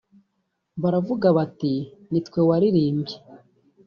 baravuga bati nitwe waririmbye